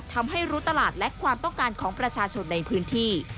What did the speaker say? ทำให้รู้ตลาดและความต้องการของประชาชนในพื้นที่